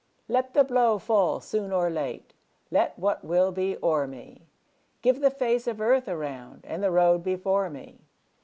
Let the blow fall soon or late, Let what will be o'er me; Give the face of earth around And the road before me.